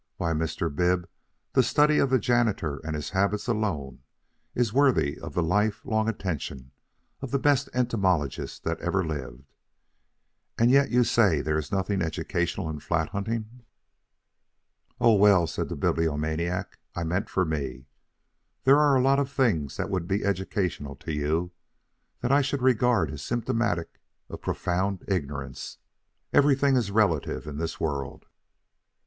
Why, Mr. Bib, the study of the janitor and his habits alone is worthy of the life long attention of the best entomologist that ever lived and yet you say there is nothing educational in flat hunting." "Oh, well," said the Bibliomaniac, "I meant for me. There are a lot of things that would be educational to you that I should regard as symptomatic of profound ignorance. Everything is relative in this world."